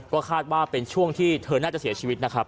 ก็คาดว่าเป็นช่วงที่เธอน่าจะเสียชีวิตนะครับ